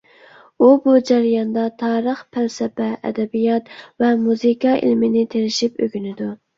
ئۇ بۇ جەرياندا تارىخ، پەلسەپە، ئەدەبىيات ۋە مۇزىكا ئىلمىنى تىرىشىپ ئۆگىنىدۇ.